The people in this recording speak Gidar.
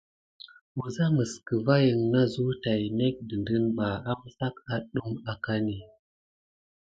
Wəza məs kəvayiŋ na zəw tay nék dəɗəne ɓa, amsak aɗum akani.